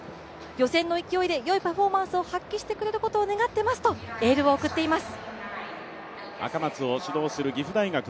予選の勢いでよいパフォーマンスを発揮してくれることを願っていますとエールを送っています。